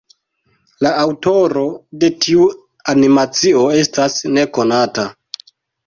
La aŭtoro de tiu animacio estas nekonata.